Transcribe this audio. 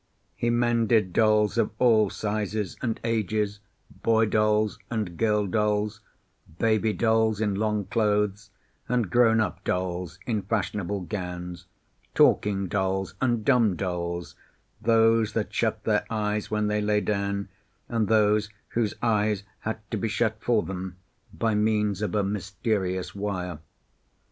He mended dolls of all sizes and ages, boy dolls and girl dolls, baby dolls in long clothes, and grown up dolls in fashionable gowns, talking dolls and dumb dolls, those that shut their eyes when they lay down, and those whose eyes had to be shut for them by means of a mysterious wire.